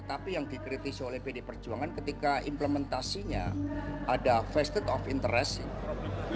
tapi yang dikritisi oleh pd perjuangan ketika implementasinya ada vested of interest